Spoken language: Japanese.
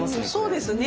そうですね。